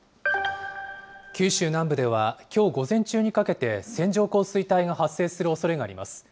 九州南部では、きょう午前中にかけて、線状降水帯が発生するおそれがあります。